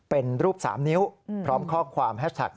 เป็นรูป๓นิ้วพร้อมข้อความแฮชแท็ก